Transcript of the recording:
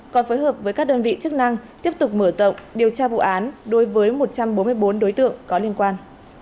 còn phối hợp với các đơn vị chức năng tiếp tục mở rộng điều tra vụ án đối với một trăm bốn mươi bốn đối tượng có liên quan